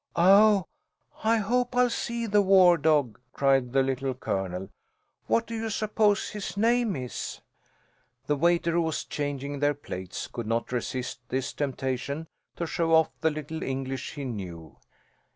"Oh, I hope I'll see the war dog!" cried the Little Colonel. "What do you suppose his name is?" The waiter, who was changing their plates, could not resist this temptation to show off the little English he knew.